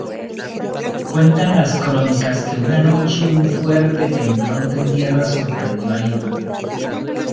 Cuentan las crónicas que una noche un fuerte temblor de tierra sorprendió a Lima.